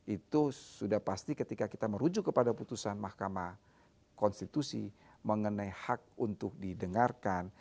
itu sudah pasti ketika kita merujuk kepada putusan mahkamah konstitusi mengenai hak untuk didengarkan